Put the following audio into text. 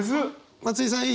松居さんいい？